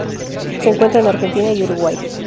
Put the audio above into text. Se encuentra en Argentina y Uruguay.